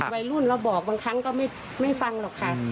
วัยรุ่นเราบอกบางครั้งก็ไม่ฟังหรอกค่ะ